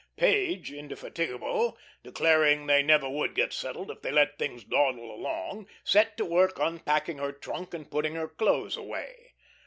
Page, indefatigable, declaring they never would get settled if they let things dawdle along, set to work unpacking her trunk and putting her clothes away.